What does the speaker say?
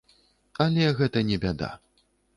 Але гэта не бяда.